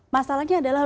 yang pertama adalah